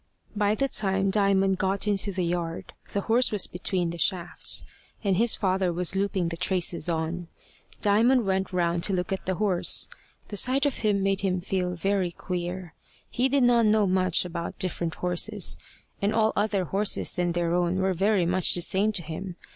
By the time Diamond got into the yard, the horse was between the shafts, and his father was looping the traces on. Diamond went round to look at the horse. The sight of him made him feel very queer. He did not know much about different horses, and all other horses than their own were very much the same to him.